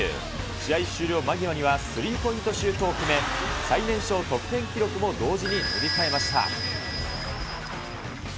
試合終了間際にはスリーポイントシュートを決め、最年少得点記録も同時に塗り替えました。